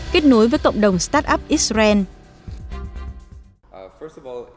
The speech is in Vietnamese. kết nối với tổng đồng startup israel